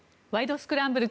スクランブル」